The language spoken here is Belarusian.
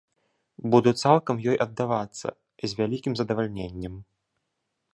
Буду цалкам ёй аддавацца, з вялікім задавальненнем.